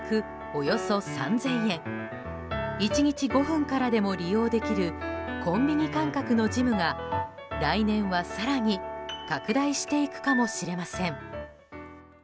およそ３０００円１日５分からでも利用できるコンビニ感覚のジムが来年は、更に拡大していくかもしれません。